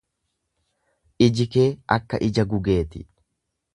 Iji kee akka ija gugee ti.